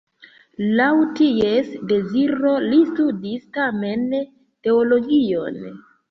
Laŭ ties deziro li studis tamen teologion.